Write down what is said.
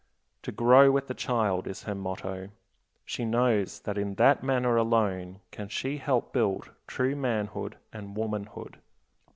To grow with the child is her motto; she knows that in that manner alone can she help build true manhood and womanhood.